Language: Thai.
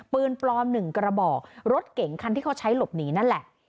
ปืนปลอม๑กระบอกรถเก๋งคันที่เขาใช้หลบหนีนั่นแหละ